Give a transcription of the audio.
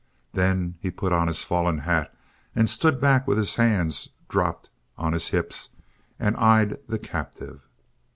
Then he put on his fallen hat and stood back with his hands dropped on his hips and eyed the captive.